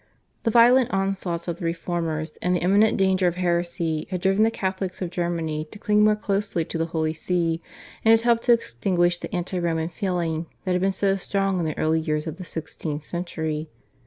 The violent onslaughts of the Reformers and the imminent danger of heresy had driven the Catholics of Germany to cling more closely to the Holy See, and had helped to extinguish the anti Roman feeling, that had been so strong in the early years of the sixteenth century.